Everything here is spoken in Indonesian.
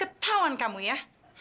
ketauan kamu ya